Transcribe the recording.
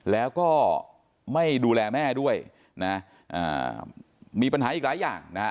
แล้วก็ไม่ดูแลแม่ด้วยนะมีปัญหาอีกหลายอย่างนะฮะ